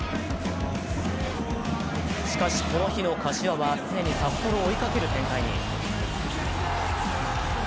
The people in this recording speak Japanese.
しかし、この日の柏は常に札幌を追いかける展開に。